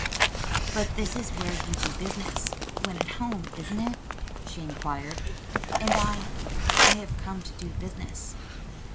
"But this is where you do business, when at home; isn't it?" she inquired. "And I I have come to do business."